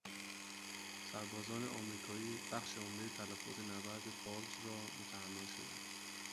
سربازان امریکایی بخش عمدهی تلفات نبرد بالج را متحمل شدند.